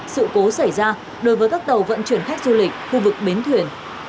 sự cố xảy ra đối với các tàu vận chuyển khách du lịch khu vực bến thuyền